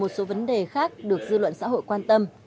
nhiều đã thảo luận về một số vấn đề khác được dư luận xã hội quan tâm